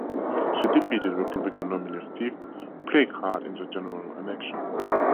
She defeated Republican nominee Steve Pleickhardt in the general election.